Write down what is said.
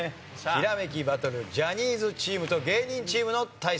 ひらめきバトルジャニーズチームと芸人チームの対戦です。